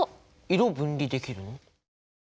色を分離できるの？